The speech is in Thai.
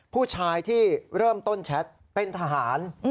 ผู้ชายที่เริ่มต้นแชทเป็นทหาร